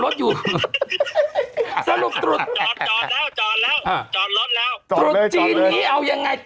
ดูจริงอะ